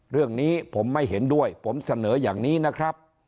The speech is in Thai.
เรื่องนี้ผมไม่เห็นด้วยผมเสนออย่างนี้นะครับ